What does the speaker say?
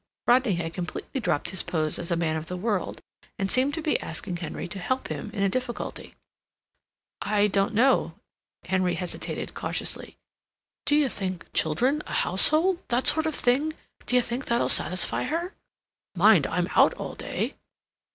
Rodney had completely dropped his pose as a man of the world, and seemed to be asking Henry to help him in a difficulty. "I don't know," Henry hesitated cautiously. "D'you think children—a household—that sort of thing—d'you think that'll satisfy her? Mind, I'm out all day."